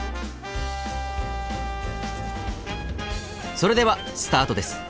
それではスタートです。